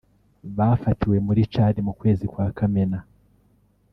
bafatiwe muri Tchad mu kwezi kwa Kamena